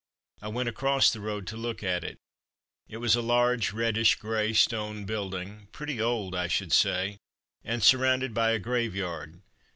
I went across the road to look at it. It was a large reddish grey stone building, pretty old, I should say, and surrounded by a graveyard.